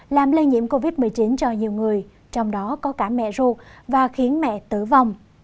làm lây nhiễm covid một mươi chín cho nhiều người trong đó có cả mẹ ruột và khiến mẹ tử vong